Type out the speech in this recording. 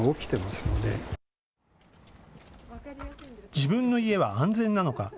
自分の家は安全なのか。